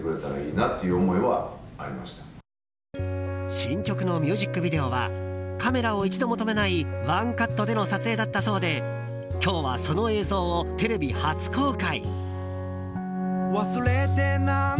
新曲のミュージックビデオはカメラを一度も止めないワンカットでの撮影だったそうで今日はその映像をテレビ初公開。